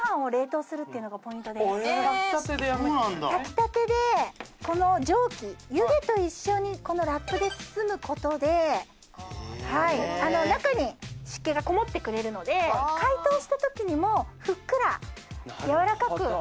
炊きたてでこの蒸気湯気と一緒にラップで包むことで中に湿気がこもってくれるので解凍したときにもふっくらやわらかく仕上がるんですね